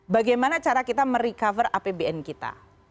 bagaimana cara kita merecover apbn kita